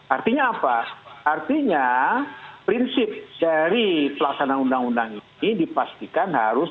artinya apa artinya prinsip dari pelaksanaan undang undang ini dipastikan harus